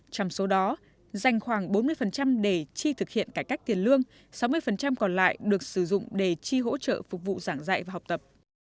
trong số đó dành khoảng bốn mươi để chi thực hiện cải cách tiền lương sáu mươi còn lại được sử dụng để chi hỗ trợ phục vụ giảng dạy và học tập